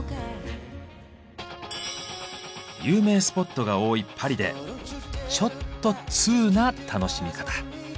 有名スポットが多いパリでちょっとツウな楽しみ方。